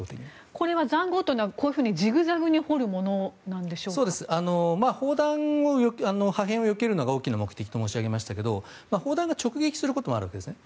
これは塹壕というのはジグザグに砲弾の破片をよけるのが大きな目的と申し上げましたが砲弾が直撃することもあるんですね。